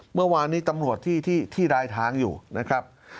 เมื่อวานนี้ตำรวจที่รายทางอยู่นะครับ